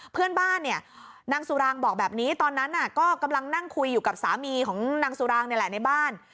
เพื่อนบ้านเนี่ยนางสุรางบอกแบบนี้ตอนนั้นก็กำลังนั่งคุยอยู่กับสามีของนางสุรางนี่แหละในบ้าน